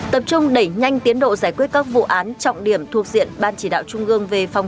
tập trung đẩy nhanh tiến độ giải quyết các vụ án trọng điểm thuộc diện ban chỉ đạo trung ương về phòng